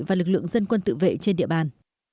và lực lượng dân quân tự vệ trên địa bàn